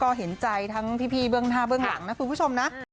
ก็เห็นใจทั้งพี่เบื้องหน้าเบื้องหลังนะคุณผู้ชมนะ